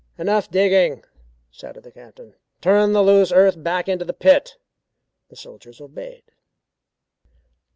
"Enough digging!" shouted the Captain. "Turn the loose earth back into the pit." The soldiers obeyed.